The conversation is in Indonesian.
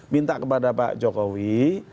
minta kepada pak jokowi